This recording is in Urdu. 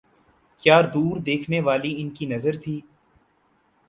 کیا دور دیکھنے والی ان کی نظر تھی۔